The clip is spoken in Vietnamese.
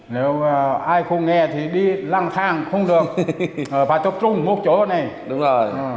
nếu ai không nghe thì đi lăng thang không được phải tập trung một chỗ này